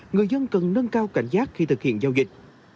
người dân cần nâng cao cảnh giác khi thực hiện giao dịch